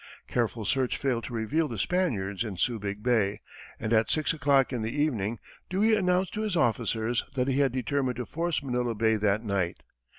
Careful search failed to reveal the Spaniards in Subig Bay, and at six o'clock in the evening, Dewey announced to his officers that he had determined to force Manila Bay that night.